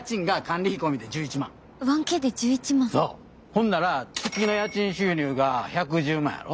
ほんなら月の家賃収入が１１０万やろ。